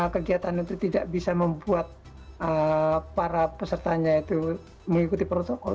kegiatan itu tidak bisa membuat para pesertanya itu mengikuti protokol